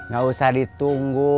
gak usah ditunggu